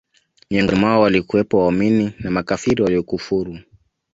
miongoni mwao walikuwepo Waumini na makafiri Waliokufuru